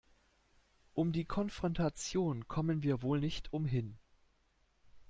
Um die Konfrontation kommen wir wohl nicht umhin.